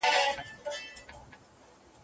په سینه د دښمنانو کي خنجر دی